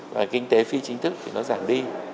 và kinh tế phi chính thức thì nó giảm đi